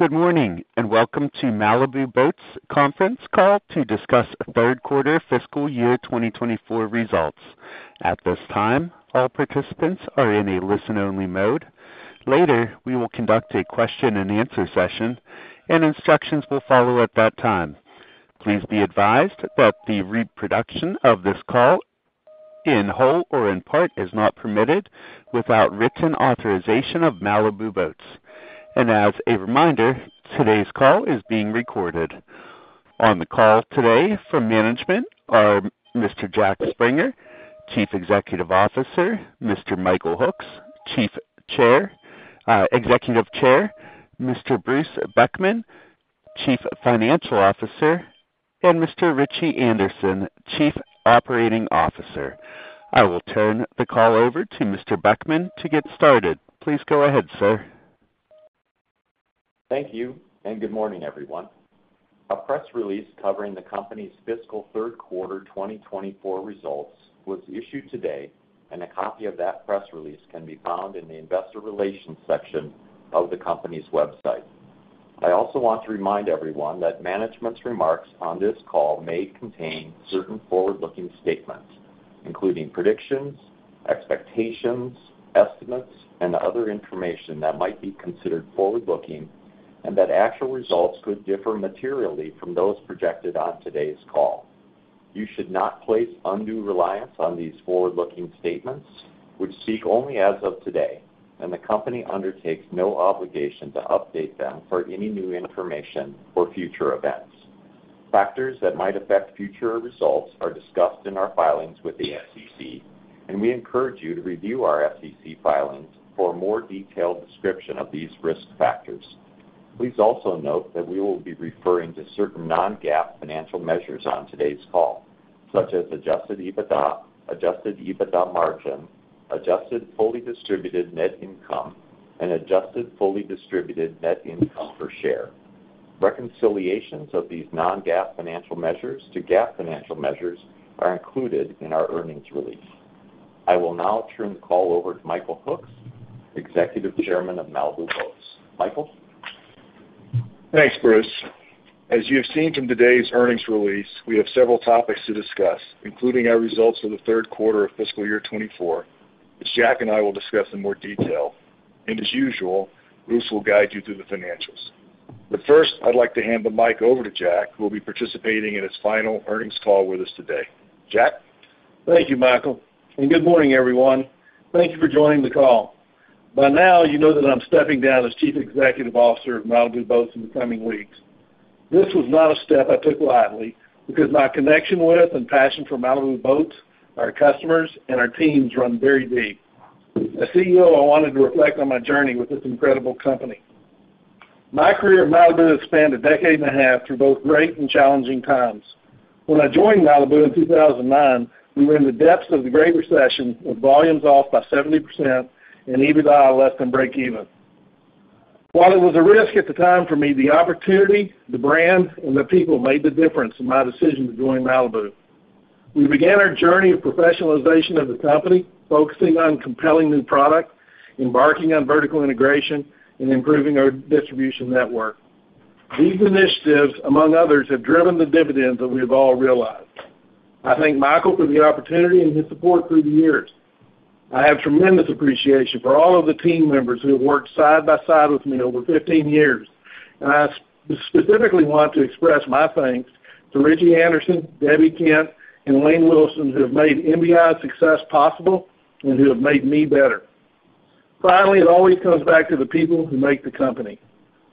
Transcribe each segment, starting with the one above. Good morning, and welcome to Malibu Boats conference call to discuss third quarter fiscal year 2024 results. At this time, all participants are in a listen-only mode. Later, we will conduct a question-and-answer session, and instructions will follow at that time. Please be advised that the reproduction of this call, in whole or in part, is not permitted without written authorization of Malibu Boats. As a reminder, today's call is being recorded. On the call today from management are Mr. Jack Springer, Chief Executive Officer, Mr. Michael Hooks, Executive Chair, Mr. Bruce Beckman, Chief Financial Officer, and Mr. Ritchie Anderson, Chief Operating Officer. I will turn the call over to Mr. Beckman to get started. Please go ahead, sir. Thank you, and good morning, everyone. A press release covering the company's fiscal third quarter 2024 results was issued today, and a copy of that press release can be found in the Investor Relations section of the company's website. I also want to remind everyone that management's remarks on this call may contain certain forward-looking statements, including predictions, expectations, estimates, and other information that might be considered forward-looking, and that actual results could differ materially from those projected on today's call. You should not place undue reliance on these forward-looking statements, which speak only as of today, and the company undertakes no obligation to update them for any new information or future events. Factors that might affect future results are discussed in our filings with the SEC, and we encourage you to review our SEC filings for a more detailed description of these risk factors. Please also note that we will be referring to certain Non-GAAP financial measures on today's call, such as adjusted EBITDA, adjusted EBITDA margin, adjusted fully distributed net income, and adjusted fully distributed net income per share. Reconciliations of these Non-GAAP financial measures to GAAP financial measures are included in our earnings release. I will now turn the call over to Michael Hooks, Executive Chairman of Malibu Boats. Michael? Thanks, Bruce. As you have seen from today's earnings release, we have several topics to discuss, including our results for the third quarter of fiscal year 2024, which Jack and I will discuss in more detail. And as usual, Bruce will guide you through the financials. But first, I'd like to hand the mic over to Jack, who will be participating in his final earnings call with us today. Jack? Thank you, Michael, and good morning, everyone. Thank you for joining the call. By now, you know that I'm stepping down as Chief Executive Officer of Malibu Boats in the coming weeks. This was not a step I took lightly, because my connection with and passion for Malibu Boats, our customers, and our teams run very deep. As CEO, I wanted to reflect on my journey with this incredible company. My career at Malibu has spanned a decade and a half through both great and challenging times. When I joined Malibu in 2009, we were in the depths of the Great Recession, with volumes off by 70% and EBITDA less than breakeven. While it was a risk at the time for me, the opportunity, the brand, and the people made the difference in my decision to join Malibu. We began our journey of professionalization of the company, focusing on compelling new product, embarking on vertical integration, and improving our distribution network. These initiatives, among others, have driven the dividends that we have all realized. I thank Michael for the opportunity and his support through the years. I have tremendous appreciation for all of the team members who have worked side by side with me over fifteen years, and I specifically want to express my thanks to Ritchie Anderson, Debbie Kent, and Wayne Wilson, who have made MBI's success possible and who have made me better. Finally, it always comes back to the people who make the company.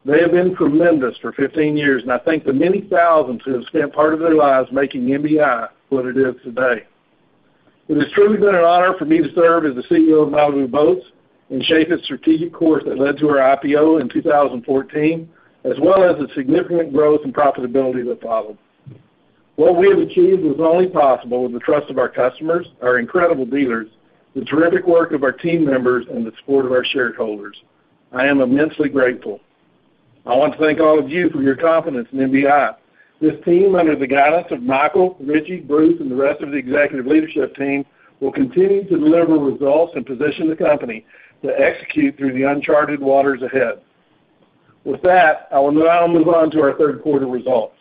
They have been tremendous for fifteen years, and I thank the many thousands who have spent part of their lives making MBI what it is today. It has truly been an honor for me to serve as the CEO of Malibu Boats and shape its strategic course that led to our IPO in 2014, as well as the significant growth and profitability that followed. What we have achieved was only possible with the trust of our customers, our incredible dealers, the terrific work of our team members, and the support of our shareholders. I am immensely grateful. I want to thank all of you for your confidence in MBI. This team, under the guidance of Michael, Ritchie, Bruce, and the rest of the executive leadership team, will continue to deliver results and position the company to execute through the uncharted waters ahead. With that, I will now move on to our third quarter results.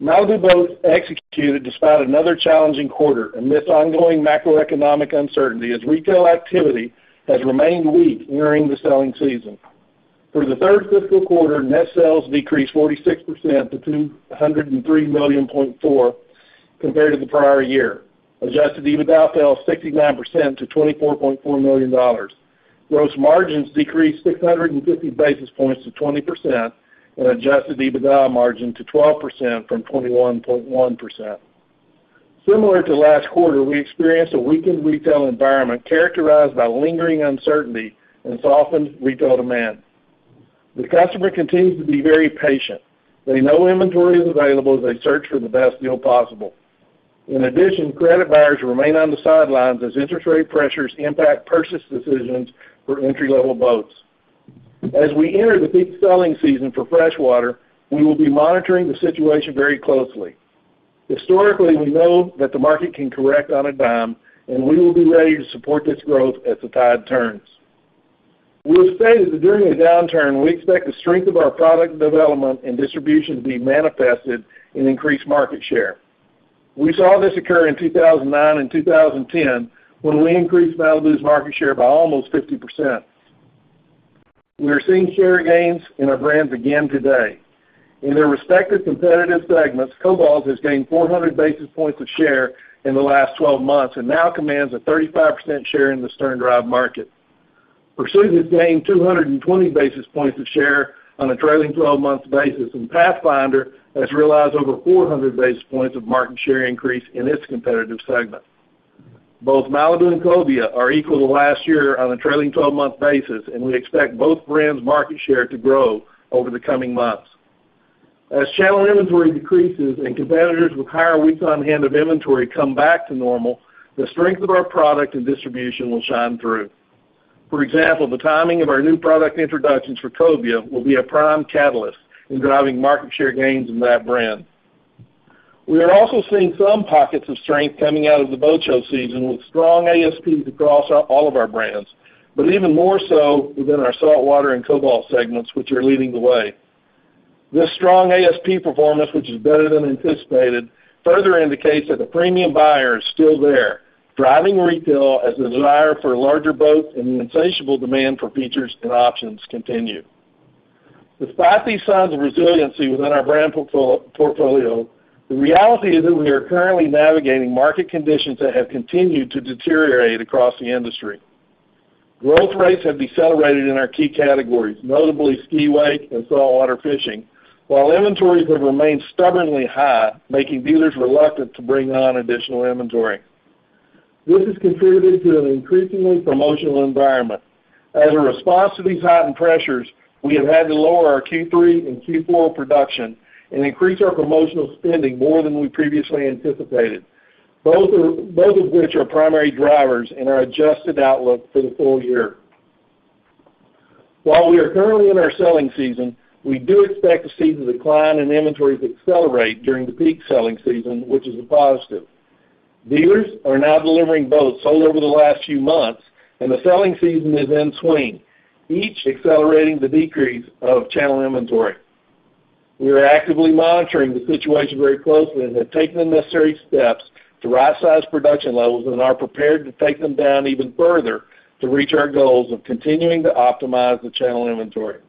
Malibu Boats executed despite another challenging quarter amidst ongoing macroeconomic uncertainty, as retail activity has remained weak nearing the selling season. For the third fiscal quarter, net sales decreased 46% to $203.4 million compared to the prior year. Adjusted EBITDA fell 69% to $24.4 million. Gross margins decreased 650 basis points to 20% and adjusted EBITDA margin to 12% from 21.1%. Similar to last quarter, we experienced a weakened retail environment characterized by lingering uncertainty and softened retail demand. The customer continues to be very patient. They know inventory is available as they search for the best deal possible. In addition, credit buyers remain on the sidelines as interest rate pressures impact purchase decisions for entry-level boats. As we enter the peak selling season for freshwater, we will be monitoring the situation very closely. Historically, we know that the market can correct on a dime, and we will be ready to support this growth as the tide turns. We have stated that during a downturn, we expect the strength of our product development and distribution to be manifested in increased market share. We saw this occur in 2009 and 2010, when we increased Malibu's market share by almost 50%. We are seeing share gains in our brands again today. In their respective competitive segments, Cobalt has gained 400 basis points of share in the last 12 months and now commands a 35% share in the stern drive market. Pursuit has gained 220 basis points of share on a trailing twelve-month basis, and Pathfinder has realized over 400 basis points of market share increase in its competitive segment. Both Malibu and Cobia are equal to last year on a trailing twelve-month basis, and we expect both brands' market share to grow over the coming months. As channel inventory decreases and competitors with higher weeks on hand of inventory come back to normal, the strength of our product and distribution will shine through. For example, the timing of our new product introductions for Cobia will be a prime catalyst in driving market share gains in that brand. We are also seeing some pockets of strength coming out of the boat show season, with strong ASPs across all of our brands, but even more so within our saltwater and Cobalt segments, which are leading the way. This strong ASP performance, which is better than anticipated, further indicates that the premium buyer is still there, driving retail as the desire for larger boats and the insatiable demand for features and options continue. Despite these signs of resiliency within our brand portfolio, the reality is that we are currently navigating market conditions that have continued to deteriorate across the industry. Growth rates have decelerated in our key categories, notably ski, wake, and saltwater fishing, while inventories have remained stubbornly high, making dealers reluctant to bring on additional inventory. This has contributed to an increasingly promotional environment. As a response to these heightened pressures, we have had to lower our Q3 and Q4 production and increase our promotional spending more than we previously anticipated, both of which are primary drivers in our adjusted outlook for the full year. While we are currently in our selling season, we do expect to see the decline in inventories accelerate during the peak selling season, which is a positive. Dealers are now delivering boats sold over the last few months, and the selling season is in swing, each accelerating the decrease of channel inventory. We are actively monitoring the situation very closely and have taken the necessary steps to rightsize production levels and are prepared to take them down even further to reach our goals of continuing to optimize the channel inventory.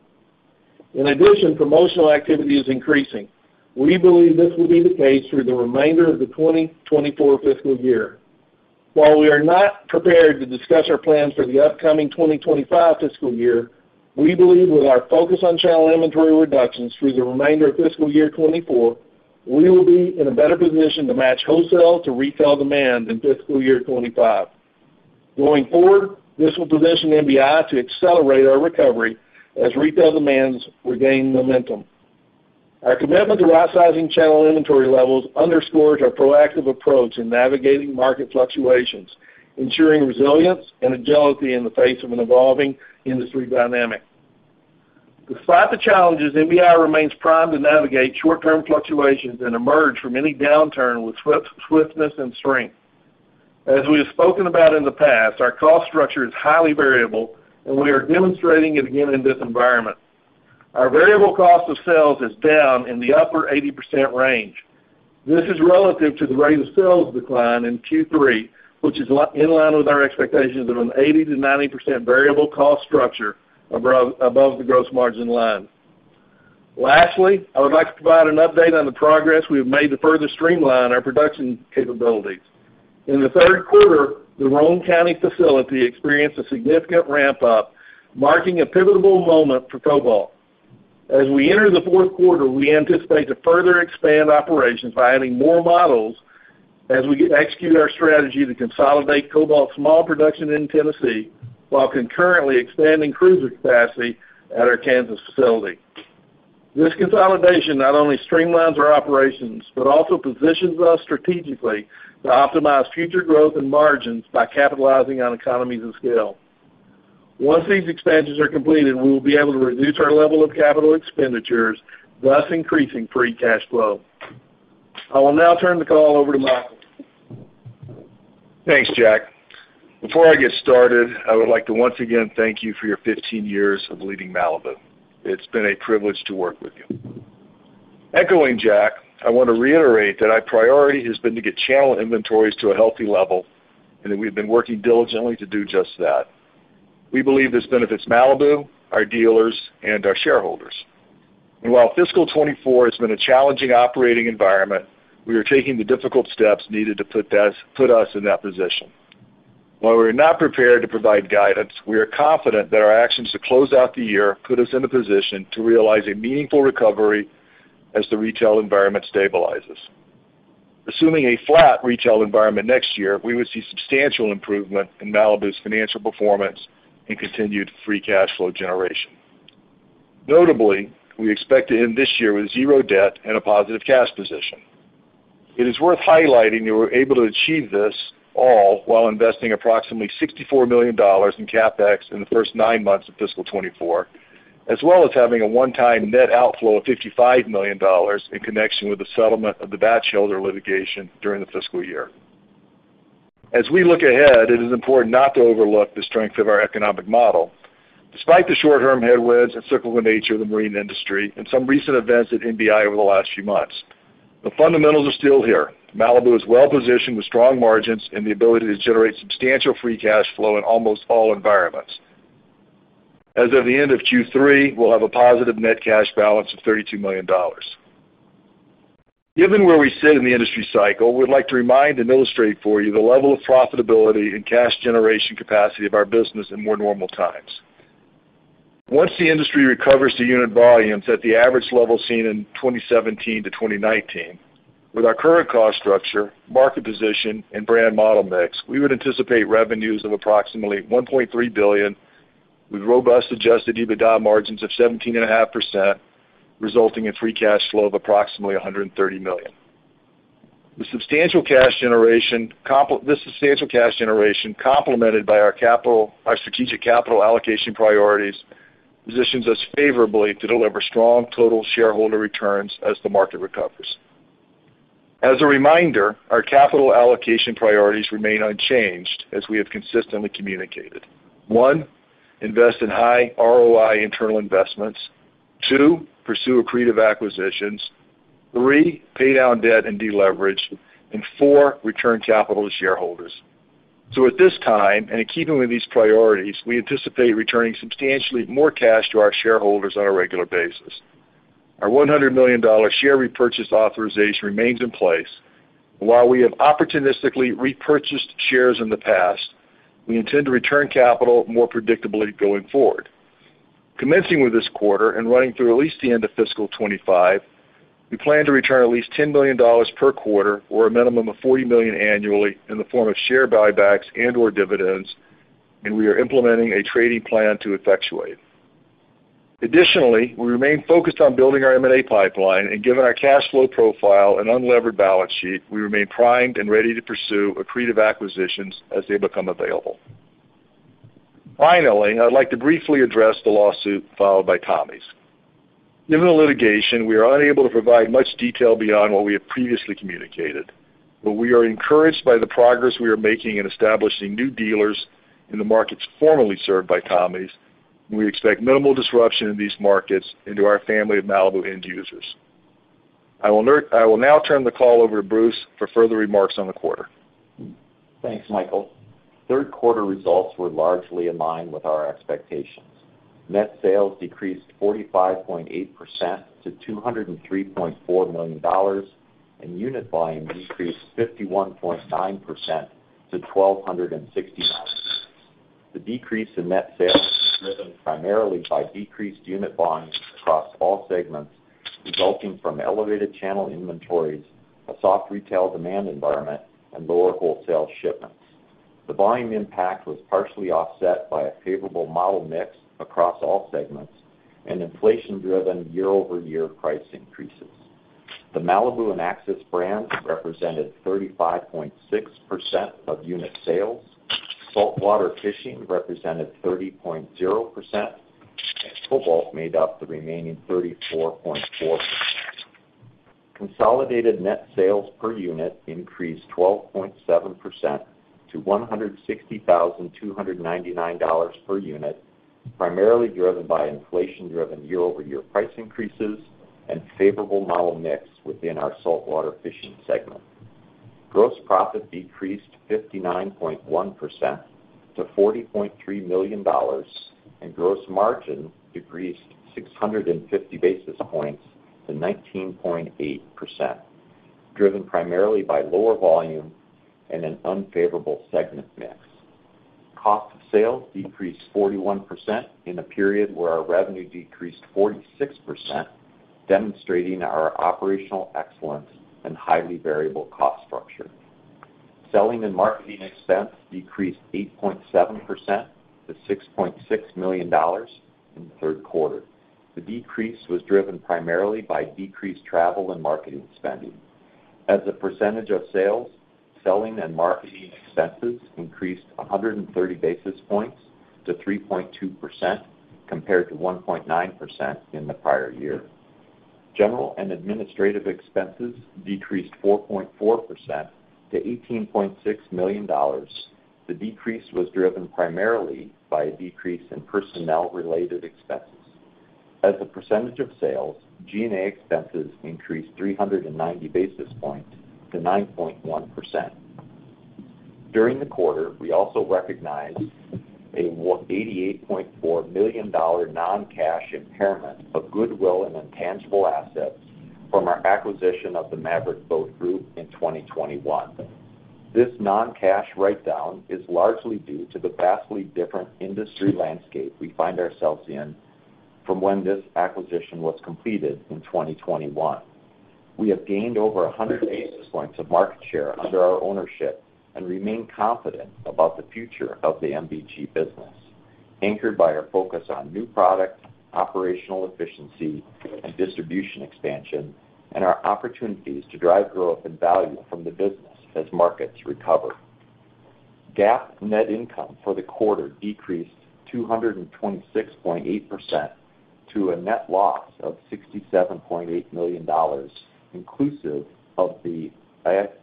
In addition, promotional activity is increasing. We believe this will be the case through the remainder of the 2024 fiscal year. While we are not prepared to discuss our plans for the upcoming 2025 fiscal year, we believe with our focus on channel inventory reductions through the remainder of fiscal year 2024, we will be in a better position to match wholesale to retail demand in fiscal year 2025. Going forward, this will position MBI to accelerate our recovery as retail demands regain momentum. Our commitment to rightsizing channel inventory levels underscores our proactive approach in navigating market fluctuations, ensuring resilience and agility in the face of an evolving industry dynamic. Despite the challenges, MBI remains primed to navigate short-term fluctuations and emerge from any downturn with swift, swiftness, and strength. As we have spoken about in the past, our cost structure is highly variable, and we are demonstrating it again in this environment. Our variable cost of sales is down in the upper 80% range. This is relative to the rate of sales decline in Q3, which is in line with our expectations of an 80%-90% variable cost structure above, above the gross margin line. Lastly, I would like to provide an update on the progress we have made to further streamline our production capabilities. In the third quarter, the Roane County facility experienced a significant ramp-up, marking a pivotal moment for Cobalt. As we enter the fourth quarter, we anticipate to further expand operations by adding more models as we execute our strategy to consolidate Cobalt's small production in Tennessee, while concurrently expanding cruiser capacity at our Kansas facility. This consolidation not only streamlines our operations, but also positions us strategically to optimize future growth and margins by capitalizing on economies of scale. Once these expansions are completed, we will be able to reduce our level of capital expenditures, thus increasing free cash flow. I will now turn the call over to Michael. Thanks, Jack. Before I get started, I would like to once again thank you for your 15 years of leading Malibu. It's been a privilege to work with you. Echoing Jack, I want to reiterate that our priority has been to get channel inventories to a healthy level, and that we've been working diligently to do just that. We believe this benefits Malibu, our dealers, and our shareholders. And while fiscal 2024 has been a challenging operating environment, we are taking the difficult steps needed to put us in that position. While we're not prepared to provide guidance, we are confident that our actions to close out the year put us in a position to realize a meaningful recovery as the retail environment stabilizes. Assuming a flat retail environment next year, we would see substantial improvement in Malibu's financial performance and continued free cash flow generation. Notably, we expect to end this year with zero debt and a positive cash position. It is worth highlighting that we're able to achieve this all while investing approximately $64 million in CapEx in the first nine months of fiscal 2024, as well as having a one-time net outflow of $55 million in connection with the settlement of the Batchelder Litigation during the fiscal year. As we look ahead, it is important not to overlook the strength of our economic model. Despite the short-term headwinds and cyclical nature of the marine industry and some recent events at MBI over the last few months, the fundamentals are still here. Malibu is well positioned with strong margins and the ability to generate substantial free cash flow in almost all environments. As of the end of Q3, we'll have a positive net cash balance of $32 million. Given where we sit in the industry cycle, we'd like to remind and illustrate for you the level of profitability and cash generation capacity of our business in more normal times. Once the industry recovers to unit volumes at the average level seen in 2017-2019, with our current cost structure, market position, and brand model mix, we would anticipate revenues of approximately $1.3 billion, with robust adjusted EBITDA margins of 17.5%, resulting in free cash flow of approximately $130 million. The substantial cash generation, this substantial cash generation, complemented by our strategic capital allocation priorities, positions us favorably to deliver strong total shareholder returns as the market recovers. As a reminder, our capital allocation priorities remain unchanged as we have consistently communicated. One, invest in high ROI internal investments, two, pursue accretive acquisitions, three, pay down debt and deleverage, and four, return capital to shareholders. So at this time, and in keeping with these priorities, we anticipate returning substantially more cash to our shareholders on a regular basis. Our $100 million share repurchase authorization remains in place, and while we have opportunistically repurchased shares in the past, we intend to return capital more predictably going forward. Commencing with this quarter and running through at least the end of fiscal 2025, we plan to return at least $10 million per quarter or a minimum of $40 million annually in the form of share buybacks and/or dividends, and we are implementing a trading plan to effectuate. Additionally, we remain focused on building our M&A pipeline, and given our cash flow profile and unlevered balance sheet, we remain primed and ready to pursue accretive acquisitions as they become available. Finally, I'd like to briefly address the lawsuit filed by Tommy's. Given the litigation, we are unable to provide much detail beyond what we have previously communicated, but we are encouraged by the progress we are making in establishing new dealers in the markets formerly served by Tommy's, and we expect minimal disruption in these markets into our family of Malibu end users. I will now turn the call over to Bruce for further remarks on the quarter. Thanks, Michael. Third quarter results were largely in line with our expectations. Net sales decreased 45.8% to $203.4 million, and unit volume decreased 51.9% to 1,269. The decrease in net sales was driven primarily by decreased unit volumes across all segments, resulting from elevated channel inventories, a soft retail demand environment, and lower wholesale shipments. The volume impact was partially offset by a favorable model mix across all segments and inflation-driven year-over-year price increases. The Malibu and Axis brands represented 35.6% of unit sales, saltwater fishing represented 30.0%, and Cobalt made up the remaining 34.4%. Consolidated net sales per unit increased 12.7% to $160,299 per unit, primarily driven by inflation-driven year-over-year price increases and favorable model mix within our saltwater fishing segment. Gross profit decreased 59.1% to $40.3 million, and gross margin decreased 650 basis points to 19.8%, driven primarily by lower volume and an unfavorable segment mix. Cost of sales decreased 41% in a period where our revenue decreased 46%, demonstrating our operational excellence and highly variable cost structure. Selling and marketing expense decreased 8.7% to $6.6 million in the third quarter. The decrease was driven primarily by decreased travel and marketing spending. As a percentage of sales, selling and marketing expenses increased 130 basis points to 3.2%, compared to 1.9% in the prior year. General and administrative expenses decreased 4.4% to $18.6 million. The decrease was driven primarily by a decrease in personnel-related expenses. As a percentage of sales, G&A expenses increased 390 basis points to 9.1%. During the quarter, we also recognized an $88.4 million non-cash impairment of goodwill and intangible assets from our acquisition of the Maverick Boat Group in 2021. This non-cash write down is largely due to the vastly different industry landscape we find ourselves in from when this acquisition was completed in 2021. We have gained over 100 basis points of market share under our ownership and remain confident about the future of the MBG business, anchored by our focus on new product, operational efficiency, and distribution expansion, and our opportunities to drive growth and value from the business as markets recover. GAAP net income for the quarter decreased 226.8% to a net loss of $67.8 million, inclusive of the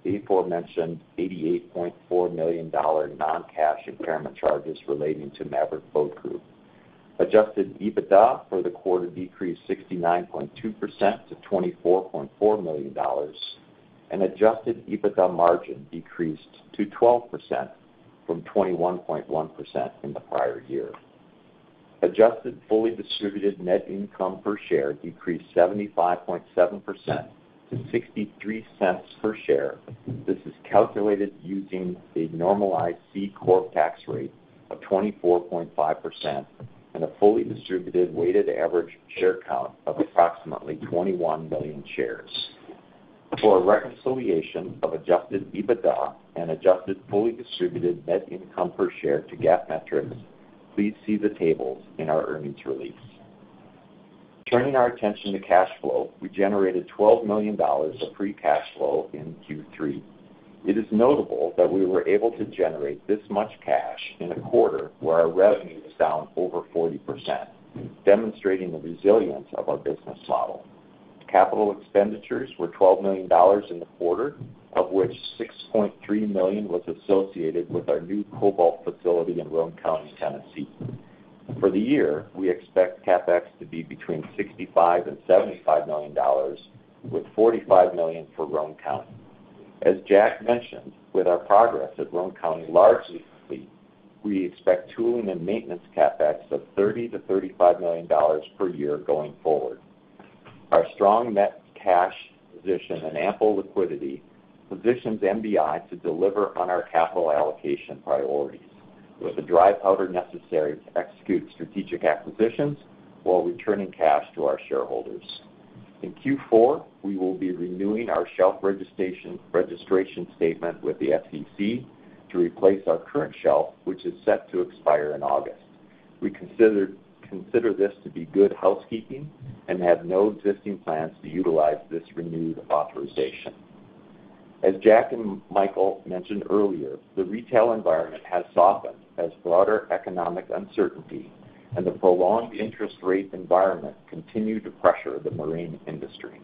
aforementioned $88.4 million non-cash impairment charges relating to Maverick Boat Group. Adjusted EBITDA for the quarter decreased 69.2% to $24.4 million, and adjusted EBITDA margin decreased to 12% from 21.1% in the prior year. Adjusted fully distributed net income per share decreased 75.7% to $0.63 per share. This is calculated using a normalized C-corp tax rate of 24.5% and a fully distributed weighted average share count of approximately 21 million shares. For a reconciliation of adjusted EBITDA and adjusted fully distributed net income per share to GAAP metrics, please see the tables in our earnings release. Turning our attention to cash flow, we generated $12 million of free cash flow in Q3. It is notable that we were able to generate this much cash in a quarter where our revenue was down over 40%, demonstrating the resilience of our business model. Capital expenditures were $12 million in the quarter, of which $6.3 million was associated with our new Cobalt facility in Roane County, Tennessee. For the year, we expect CapEx to be between $65 million and $75 million, with $45 million for Roane County. As Jack mentioned, with our progress at Roane County largely complete, we expect tooling and maintenance CapEx of $30-$35 million per year going forward. Our strong net cash position and ample liquidity positions MBI to deliver on our capital allocation priorities, with the dry powder necessary to execute strategic acquisitions while returning cash to our shareholders. In Q4, we will be renewing our shelf registration statement with the SEC to replace our current shelf, which is set to expire in August. We consider this to be good housekeeping and have no existing plans to utilize this renewed authorization. As Jack and Michael mentioned earlier, the retail environment has softened as broader economic uncertainty and the prolonged interest rate environment continue to pressure the marine industry.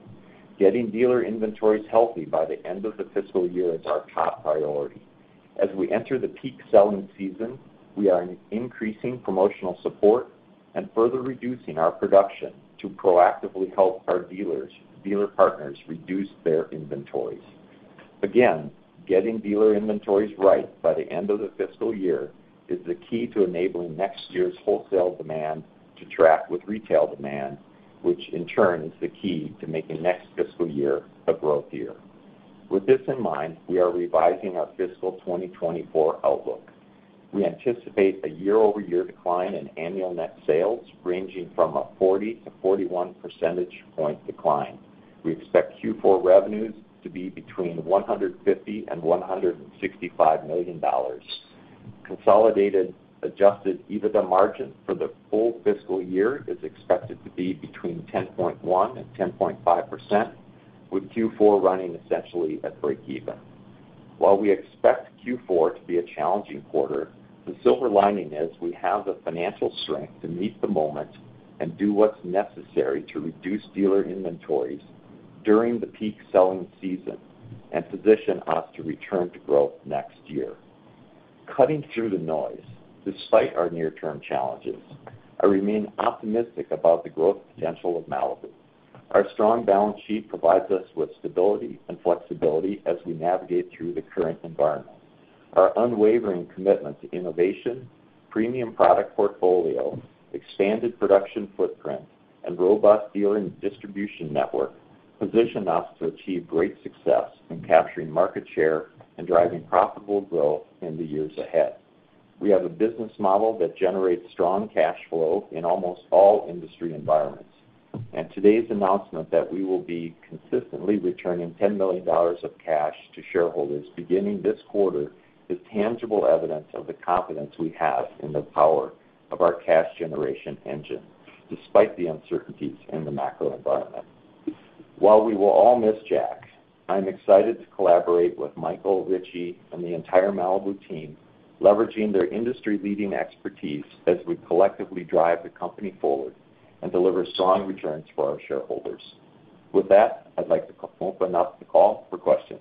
Getting dealer inventories healthy by the end of the fiscal year is our top priority. As we enter the peak selling season, we are increasing promotional support and further reducing our production to proactively help our dealers, dealer partners reduce their inventories. Again, getting dealer inventories right by the end of the fiscal year is the key to enabling next year's wholesale demand to track with retail demand, which in turn, is the key to making next fiscal year a growth year. With this in mind, we are revising our fiscal 2024 outlook. We anticipate a year-over-year decline in annual net sales, ranging from a 40- to 41-percentage point decline. We expect Q4 revenues to be between $150 million and $165 million. Consolidated adjusted EBITDA margin for the full fiscal year is expected to be between 10.1% and 10.5%, with Q4 running essentially at breakeven. While we expect Q4 to be a challenging quarter, the silver lining is we have the financial strength to meet the moment and do what's necessary to reduce dealer inventories during the peak selling season and position us to return to growth next year. Cutting through the noise, despite our near-term challenges, I remain optimistic about the growth potential of Malibu. Our strong balance sheet provides us with stability and flexibility as we navigate through the current environment. Our unwavering commitment to innovation, premium product portfolio, expanded production footprint, and robust dealing distribution network position us to achieve great success in capturing market share and driving profitable growth in the years ahead. We have a business model that generates strong cash flow in almost all industry environments, and today's announcement that we will be consistently returning $10 million of cash to shareholders beginning this quarter, is tangible evidence of the confidence we have in the power of our cash generation engine, despite the uncertainties in the macro environment. While we will all miss Jack, I'm excited to collaborate with Michael, Ritchie, and the entire Malibu team, leveraging their industry-leading expertise as we collectively drive the company forward and deliver strong returns for our shareholders. With that, I'd like to open up the call for questions.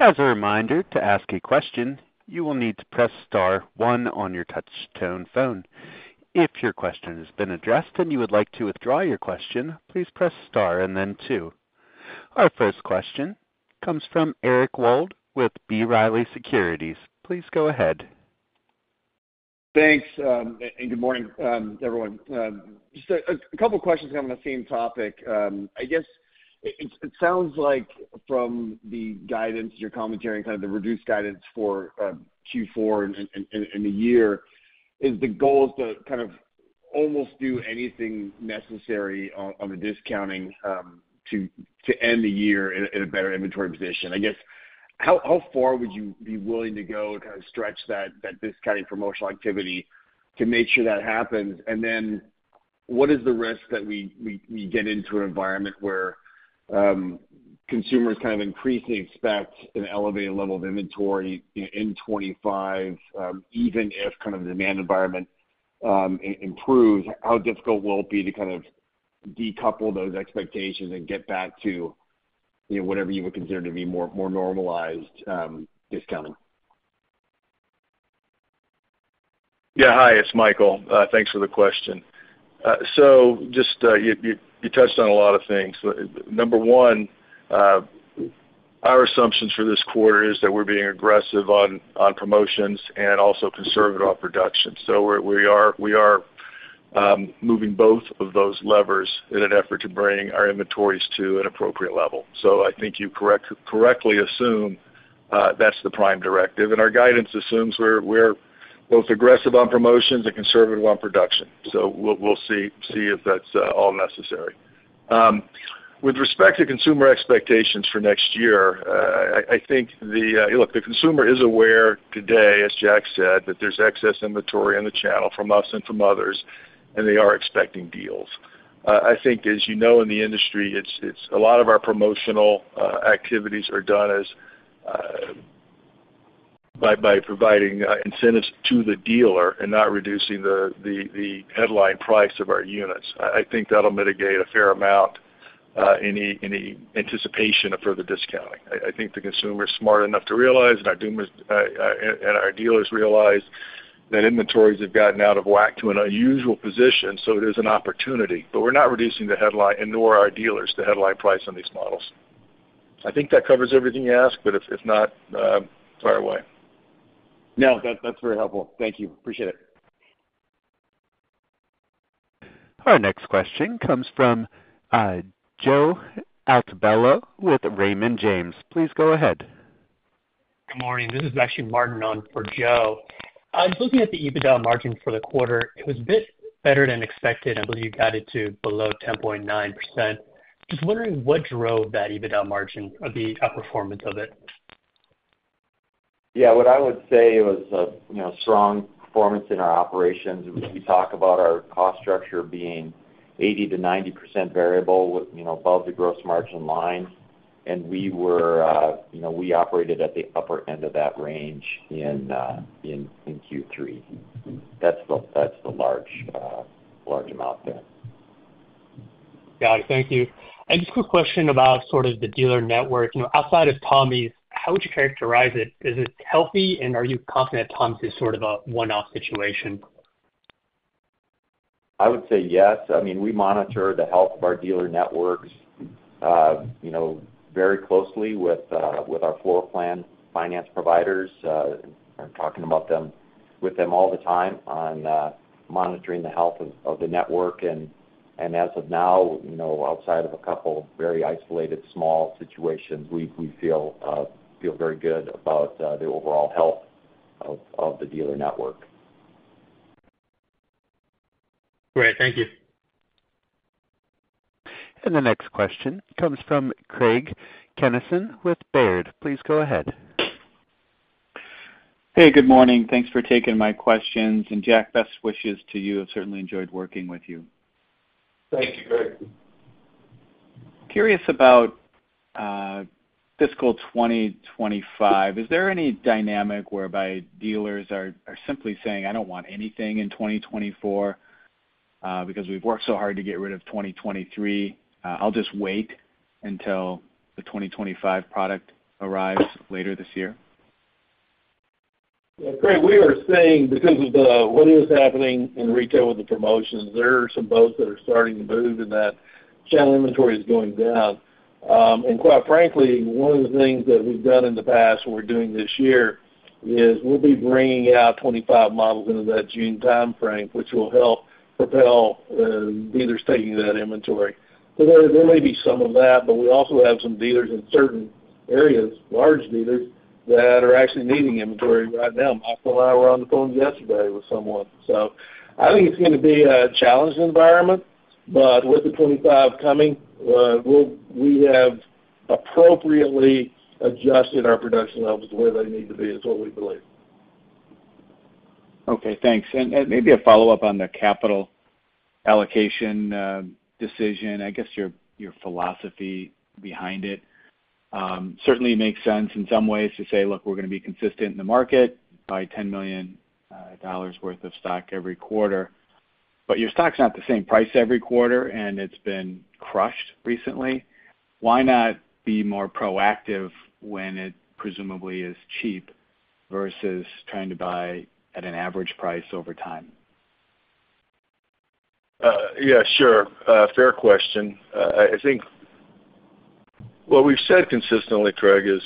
As a reminder, to ask a question, you will need to press star one on your touch tone phone. If your question has been addressed and you would like to withdraw your question, please press star and then two. Our first question comes from Eric Wold with B. Riley Securities. Please go ahead. Thanks, and good morning, everyone. Just a couple questions on the same topic. I guess it sounds like from the guidance, your commentary, and kind of the reduced guidance for Q4 and the year, is the goal to kind of almost do anything necessary on the discounting to end the year in a better inventory position? I guess, how far would you be willing to go to kind of stretch that discounting promotional activity to make sure that happens? And then, what is the risk that we get into an environment where consumers kind of increasingly expect an elevated level of inventory in 2025, even if kind of the demand environment improves? How difficult will it be to kind of decouple those expectations and get back to, you know, whatever you would consider to be more normalized discounting? Yeah, hi, it's Michael. Thanks for the question. So just, you touched on a lot of things. Number one, our assumptions for this quarter is that we're being aggressive on promotions and also conservative on production. So we're moving both of those levers in an effort to bring our inventories to an appropriate level. So I think you correctly assume that's the prime directive, and our guidance assumes we're both aggressive on promotions and conservative on production. So we'll see if that's all necessary. With respect to consumer expectations for next year, I think... look, the consumer is aware today, as Jack said, that there's excess inventory in the channel from us and from others, and they are expecting deals. I think, as you know, in the industry, it's a lot of our promotional activities are done as by providing incentives to the dealer and not reducing the headline price of our units. I think that'll mitigate a fair amount any anticipation of further discounting. I think the consumer is smart enough to realize, and our dealers realize that inventories have gotten out of whack to an unusual position, so there's an opportunity. But we're not reducing the headline, and nor are our dealers, the headline price on these models. I think that covers everything you asked, but if not, fire away. No, that, that's very helpful. Thank you. Appreciate it. Our next question comes from, Joe Altobello with Raymond James. Please go ahead. Good morning. This is actually Martin on for Joe. I was looking at the EBITDA margin for the quarter. It was a bit better than expected. I believe you got it to below 10.9%. Just wondering what drove that EBITDA margin or the outperformance of it? Yeah, what I would say was a, you know, strong performance in our operations. We talk about our cost structure being 80%-90% variable, you know, above the gross margin line, and we were, you know, we operated at the upper end of that range in Q3. That's the, that's the large amount there. Got it. Thank you. Just a quick question about sort of the dealer network. You know, outside of Tommy's, how would you characterize it? Is it healthy, and are you confident Tommy's is sort of a one-off situation? I would say yes. I mean, we monitor the health of our dealer networks, you know, very closely with our floor plan finance providers. I'm talking with them all the time on monitoring the health of the network. And as of now, you know, outside of a couple very isolated, small situations, we feel very good about the overall health of the dealer network. Great. Thank you. The next question comes from Craig Kennison with Baird. Please go ahead. Hey, good morning. Thanks for taking my questions. Jack, best wishes to you. I've certainly enjoyed working with you. Thank you, Craig. Curious about fiscal 2025. Is there any dynamic whereby dealers are simply saying, "I don't want anything in 2024, because we've worked so hard to get rid of 2023. I'll just wait until the 2025 product arrives later this year? Yeah, Craig, we are seeing, because of the, what is happening in retail with the promotions, there are some boats that are starting to move, and that channel inventory is going down. And quite frankly, one of the things that we've done in the past, and we're doing this year, is we'll be bringing out 25 models into that June timeframe, which will help propel dealers taking that inventory. So there, there may be some of that, but we also have some dealers in certain areas, large dealers, that are actually needing inventory right now. Michael and I were on the phone yesterday with someone. So I think it's gonna be a challenged environment, but with the 25 coming, we'll have appropriately adjusted our production levels to where they need to be, is what we believe. Okay, thanks. Maybe a follow-up on the capital allocation decision. I guess your philosophy behind it. Certainly makes sense in some ways to say, "Look, we're gonna be consistent in the market by $10 million worth of stock every quarter." But your stock's not the same price every quarter, and it's been crushed recently. Why not be more proactive when it presumably is cheap versus trying to buy at an average price over time? Yeah, sure. Fair question. I think what we've said consistently, Craig, is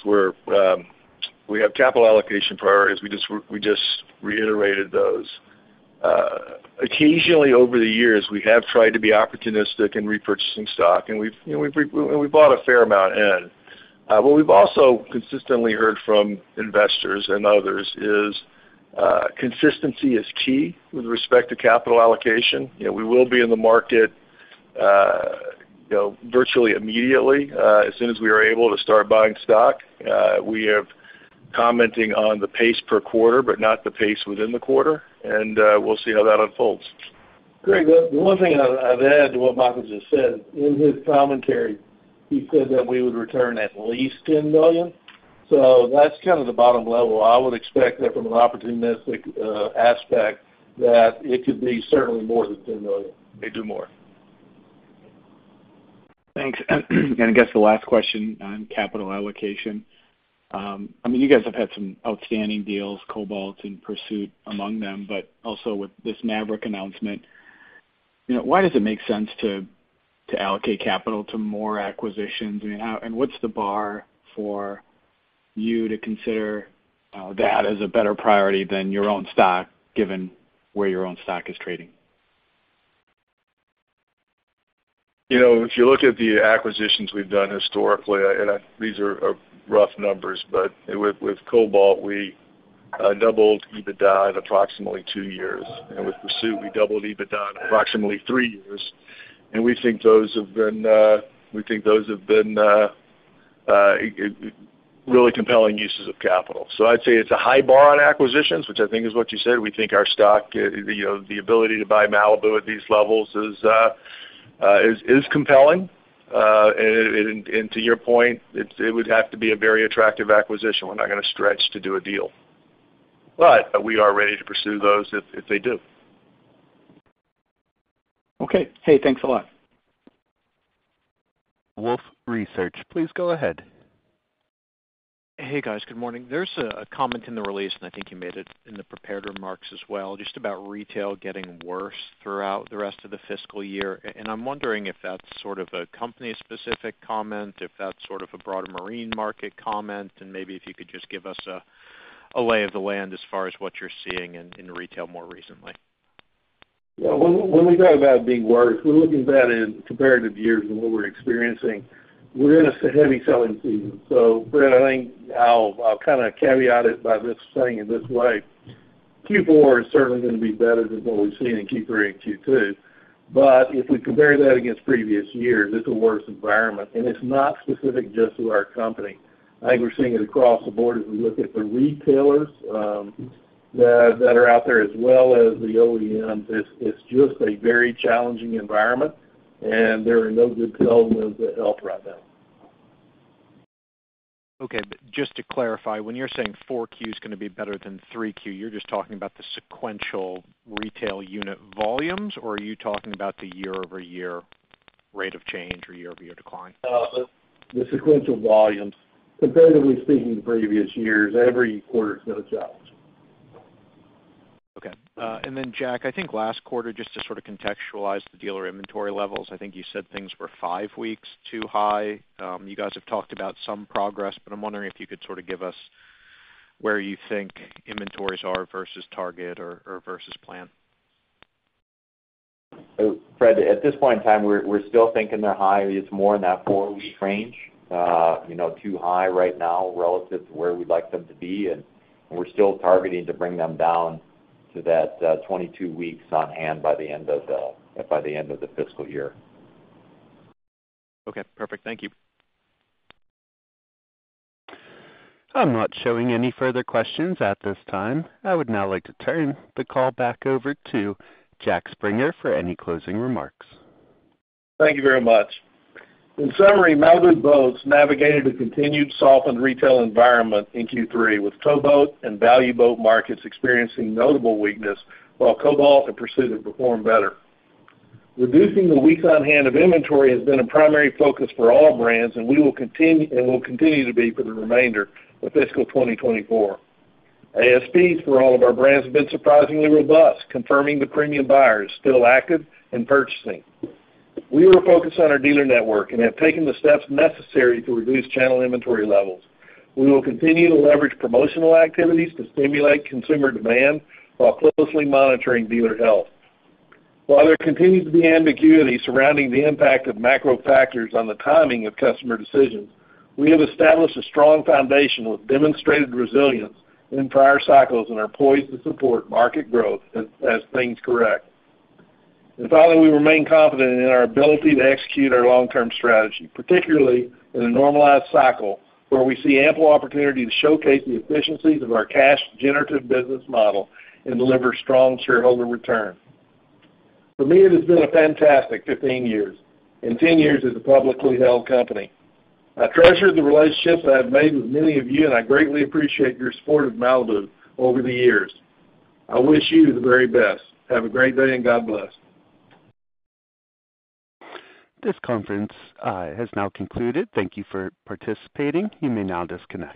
we have capital allocation priorities. We just reiterated those. Occasionally, over the years, we have tried to be opportunistic in repurchasing stock, and we've, you know, bought a fair amount in. What we've also consistently heard from investors and others is, consistency is key with respect to capital allocation. You know, we will be in the market, you know, virtually immediately, as soon as we were able to start buying stock, we are commenting on the pace per quarter, but not the pace within the quarter, and, we'll see how that unfolds. Craig, the one thing I'd add to what Michael just said, in his commentary, he said that we would return at least $10 million. So that's kind of the bottom level. I would expect that from an opportunistic aspect, that it could be certainly more than $10 million. Maybe more. Thanks. I guess the last question on capital allocation. I mean, you guys have had some outstanding deals, Cobalt and Pursuit among them, but also with this Maverick announcement. You know, why does it make sense to, to allocate capital to more acquisitions? I mean, how and what's the bar for you to consider that as a better priority than your own stock, given where your own stock is trading? You know, if you look at the acquisitions we've done historically, and these are rough numbers, but with Cobalt, we doubled EBITDA in approximately 2 years. And with Pursuit, we doubled EBITDA in approximately 3 years. And we think those have been really compelling uses of capital. So I'd say it's a high bar on acquisitions, which I think is what you said. We think our stock, you know, the ability to buy Malibu at these levels is compelling. And to your point, it would have to be a very attractive acquisition. We're not going to stretch to do a deal. But we are ready to pursue those if they do. Okay. Hey, thanks a lot. Wolfe Research, please go ahead. Hey, guys. Good morning. There's a comment in the release, and I think you made it in the prepared remarks as well, just about retail getting worse throughout the rest of the fiscal year. And I'm wondering if that's sort of a company-specific comment, if that's sort of a broader marine market comment, and maybe if you could just give us a lay of the land as far as what you're seeing in retail more recently. Yeah, when we talk about it being worse, we're looking at that in comparative years and what we're experiencing. We're in a heavy selling season. So Fred, I think I'll kind of caveat it by just saying it this way, Q4 is certainly going to be better than what we've seen in Q3 and Q2. But if we compare that against previous years, it's a worse environment, and it's not specific just to our company. I think we're seeing it across the board as we look at the retailers that are out there, as well as the OEMs. It's just a very challenging environment, and there are no good zones of help right now. Okay, but just to clarify, when you're saying 4Q is going to be better than 3Q, you're just talking about the sequential retail unit volumes, or are you talking about the year-over-year rate of change or year-over-year decline? The sequential volumes. Comparatively speaking to previous years, every quarter is going to challenge. Okay. And then Jack, I think last quarter, just to sort of contextualize the dealer inventory levels, I think you said things were five weeks too high. You guys have talked about some progress, but I'm wondering if you could sort of give us where you think inventories are versus target or, or versus plan. Fred, at this point in time, we're still thinking they're high. It's more in that 4-week range, you know, too high right now relative to where we'd like them to be, and we're still targeting to bring them down to that 22 weeks on hand by the end of the fiscal year. Okay, perfect. Thank you. I'm not showing any further questions at this time. I would now like to turn the call back over to Jack Springer for any closing remarks. Thank you very much. In summary, Malibu Boats navigated a continued softened retail environment in Q3, with towboat and value boat markets experiencing notable weakness, while Cobalt and Pursuit have performed better. Reducing the weeks on hand of inventory has been a primary focus for all brands, and we will continue to be for the remainder of fiscal 2024. ASPs for all of our brands have been surprisingly robust, confirming the premium buyer is still active in purchasing. We were focused on our dealer network and have taken the steps necessary to reduce channel inventory levels. We will continue to leverage promotional activities to stimulate consumer demand while closely monitoring dealer health. While there continues to be ambiguity surrounding the impact of macro factors on the timing of customer decisions, we have established a strong foundation with demonstrated resilience in prior cycles and are poised to support market growth as things correct. Finally, we remain confident in our ability to execute our long-term strategy, particularly in a normalized cycle, where we see ample opportunity to showcase the efficiencies of our cash-generative business model and deliver strong shareholder return. For me, it has been a fantastic 15 years and 10 years as a publicly held company. I treasure the relationships I have made with many of you, and I greatly appreciate your support of Malibu over the years. I wish you the very best. Have a great day, and God bless. This conference has now concluded. Thank you for participating. You may now disconnect.